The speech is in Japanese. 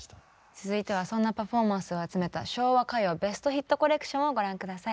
続いてはそんなパフォーマンスを集めた「昭和歌謡ベストヒットコレクション」をご覧下さい。